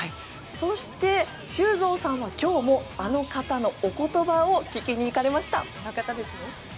そして、修造さんは今日もあの方のお言葉を聞きに行かれました。